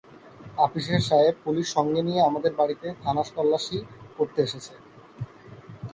আপিসের সাহেব পুলিস সঙ্গে নিয়ে আমাদের বাড়িতে খানাতল্লাসি করতে এসেছে।